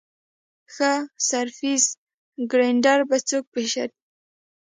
ښه سرفېس ګرېنډر به څوک پېژني ؟